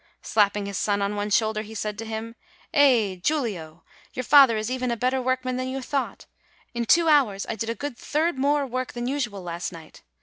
Slapping his son on one shoulder, he said to him: "Eh, Giulio! Your father is even a better work man than you thought. In two hours I did a good third more work than usual last night.